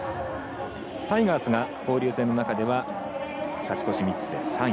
タイガースが交流戦の中では勝ち越し３つで３位。